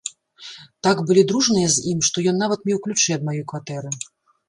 Так былі дружныя з ім, што ён нават меў ключы ад маёй кватэры.